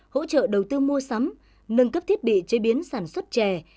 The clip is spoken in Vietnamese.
hỗ trợ đầu tư mua sắm nâng cấp thiết bị chế biến sản xuất chè